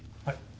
はい。